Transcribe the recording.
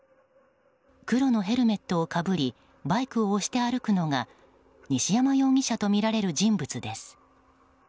黒のヘルメットをかぶりバイクを押して歩くのが西山容疑者とみられる人物です。